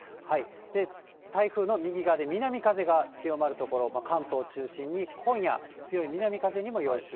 台風の右側で、南風が強まる所、関東中心に今夜、強い南風にも要注意。